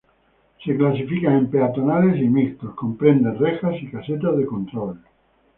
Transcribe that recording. Se clasifican en peatonales y mixtos, comprenden rejas y casetas de control.